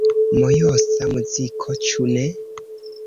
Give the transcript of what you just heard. Mojosa muziko, ĉu ne?